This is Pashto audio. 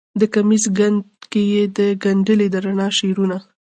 د کمیس ګنډ کې یې ګنډلې د رڼا شعرونه